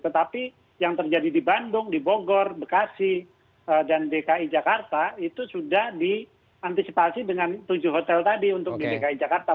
tetapi yang terjadi di bandung di bogor bekasi dan dki jakarta itu sudah diantisipasi dengan tujuh hotel tadi untuk di dki jakarta